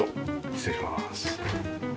失礼します。